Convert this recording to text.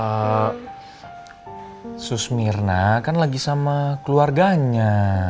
eh susmirna kan lagi sama keluarganya